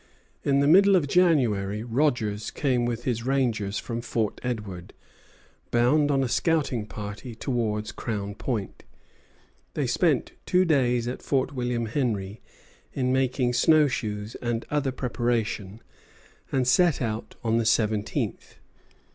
In the middle of January Rogers came with his rangers from Fort Edward, bound on a scouting party towards Crown Point. They spent two days at Fort William Henry in making snow shoes and other preparation, and set out on the seventeenth.